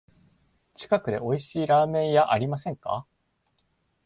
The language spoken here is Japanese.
近くでおいしいラーメン屋ありませんか？